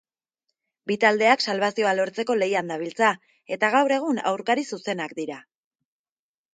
Bi taldeak salbazioa lortzeko lehian dabiltza eta gaur egun aurkari zuzenak dira.